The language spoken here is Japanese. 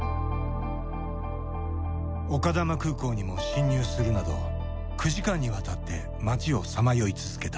丘珠空港にも侵入するなど９時間にわたって街をさまよい続けた。